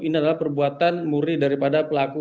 ini adalah perbuatan muri daripada pelaku